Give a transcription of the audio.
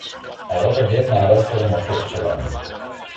هغه په ډېر مهارت سره موټر چلاوه.